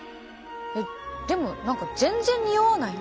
えでも何か全然におわないね。